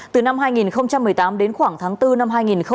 từ năm hai nghìn một mươi tám đến khoảng tháng bốn năm hai nghìn một mươi chín